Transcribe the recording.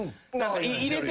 入れて。